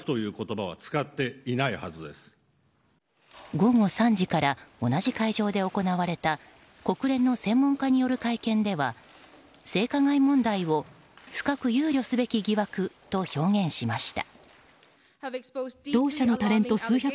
午後３時から同じ会場で行われた国連の専門家による会見では性加害問題を深く憂慮すべき疑惑と表現しました。